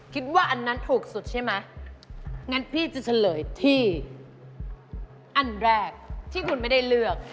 คิดว่าอันนั้นถูกสุดใช่ไหมงั้นพี่จะเฉลยที่อันแรกที่คุณไม่ได้เลือก